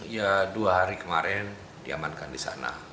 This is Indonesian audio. ya dua hari kemarin diamankan di sana